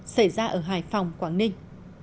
xảy ra ở hải phòng quảng ninh